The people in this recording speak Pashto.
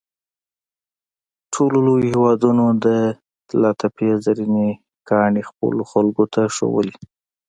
ټولو لویو هېوادونو د طلاتپې زرینې ګاڼې خپلو خلکو ته ښودلې.